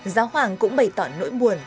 giáo hoàng cũng bày tỏ nỗi buồn